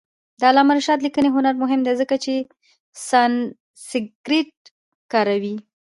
د علامه رشاد لیکنی هنر مهم دی ځکه چې سانسکریت کاروي.